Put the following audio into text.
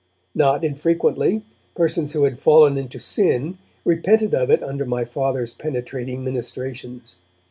Not infrequently, persons who had fallen into sin repented of it under my Father's penetrating ministrations.